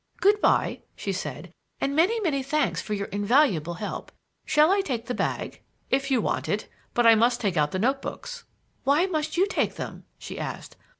"Good by," she said; "and many, many thanks for your invaluable help. Shall I take the bag?" "If you want it. But I must take out the notebooks." "Why must you take them?" she asked.